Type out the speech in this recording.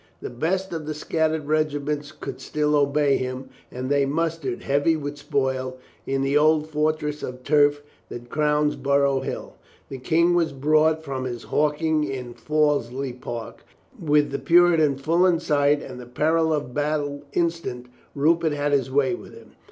The best of the scattered regi ments could still obey him, and they mustered, heavy with spoil, In the old fortress of turf that crowns Borough Hill. The King was brought from his hawking in Fawsley Park, and with the Puritan full in sight and the peril of battle instant, Rupert had his way with him.